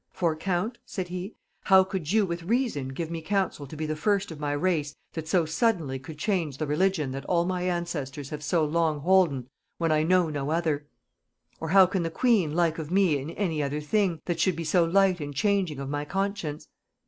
For, count,' said he, 'how could you with reason give me counsel to be the first of my race that so suddenly should change the religion that all my ancestors have so long holden when I know no other; or how can the queen like of me in any other thing, that should be so light in changing of my conscience?